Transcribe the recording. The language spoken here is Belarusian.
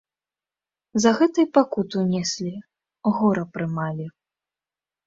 За гэта і пакуту неслі, гора прымалі.